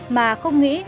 mà không nghĩ